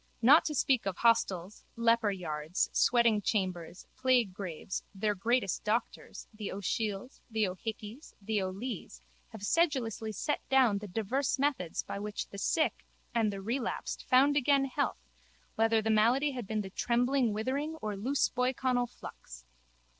Not to speak of hostels, leperyards, sweating chambers, plaguegraves, their greatest doctors, the O'Shiels, the O'Hickeys, the O'Lees, have sedulously set down the divers methods by which the sick and the relapsed found again health whether the malady had been the trembling withering or loose boyconnell flux.